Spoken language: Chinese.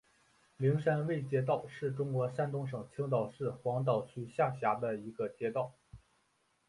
灵山卫街道是中国山东省青岛市黄岛区下辖的一个街道。